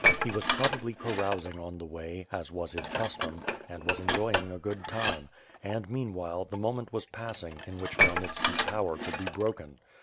He was probably carousing on the way, as was his custom, and was enjoying a good time; and meanwhile, the moment was passing, in which Khmy elnitski's power could be broken.